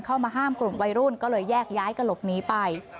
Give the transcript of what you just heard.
เข้ามาห้ามกลุ่มวัยรุ่นก็เลยแยกย้ายกระหลบหนีไป